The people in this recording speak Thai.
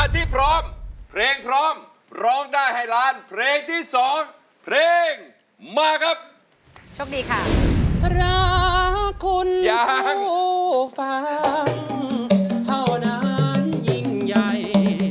ถ้าคุณผู้ฟังเพราะนั้นยิ่งใหญ่